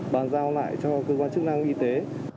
bàn giao lại cho cơ quan chức năng y tế